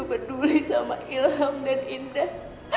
kamu begitu peduli sama ilham dan indah